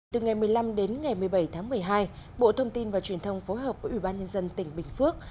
từ ngày một mươi năm đến ngày một mươi bảy tháng một mươi hai bộ thông tin và truyền thông phối hợp với ubnd tỉnh bình phước